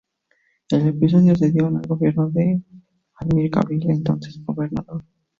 El episodio se dio en el gobierno de Almir Gabriel, el entonces gobernador.